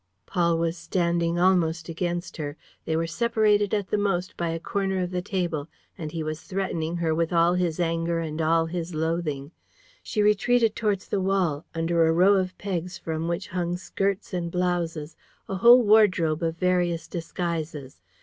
Paul was standing almost against her. They were separated at the most by a corner of the table; and he was threatening her with all his anger and all his loathing. She retreated towards the wall, under a row of pegs from which hung skirts and blouses, a whole wardrobe of various disguises.